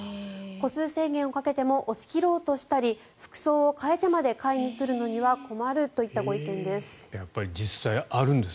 個数制限をかけても押し切ろうとしたり服装を変えてまで買いに来るのは困るというご意見です。